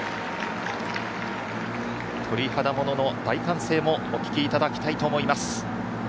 鳥肌ものの大歓声もお聞きいただきたいと思います。